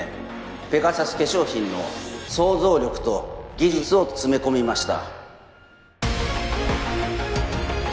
ペガサス化粧品の想像力と技術を詰め込みました。